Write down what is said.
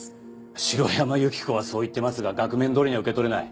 城山由希子はそう言ってますが額面どおりには受け取れない。